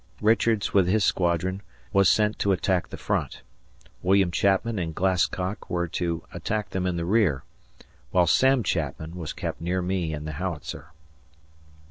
Richards, with his squadron, was sent to attack the front; William Chapman and Glasscock were to attack them in the rear, while Sam Chapman was kept near me and the howitzer.